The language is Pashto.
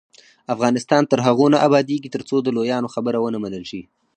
افغانستان تر هغو نه ابادیږي، ترڅو د لویانو خبره ومنل شي.